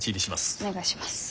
お願いします。